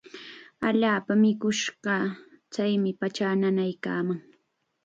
Allaapam mikush kaa. Chaymi pachaa nanaykaaman.